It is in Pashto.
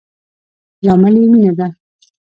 لامل يي مينه ده